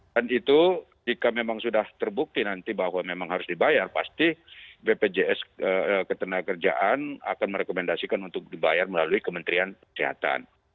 dan itu jika memang sudah terbukti nanti bahwa memang harus dibayar pasti bpjs ketenagakerjaan akan merekomendasikan untuk dibayar melalui kementerian kepala kepala kepala